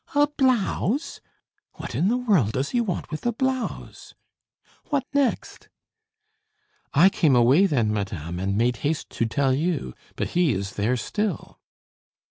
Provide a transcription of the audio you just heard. "A blouse! What in the world does he want with a blouse? What next?" "I came away, then, madame, and made haste to tell you; but he is there still."